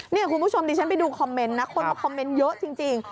นี่คุณผู้ชมดิฉันไปดูคอมเมนต์นะคนมาคอมเมนต์เยอะจริง